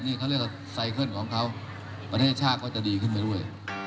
นี่เขาเรียกว่าไซเคิลของเขาประเทศชาติก็จะดีขึ้นไปด้วย